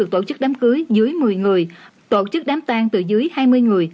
tổ chức đám cưới dưới một mươi người tổ chức đám tan từ dưới hai mươi người